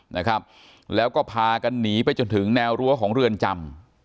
นะครับแล้วก็พากันหนีไปจนถึงแนวรั้วของเรือนจำ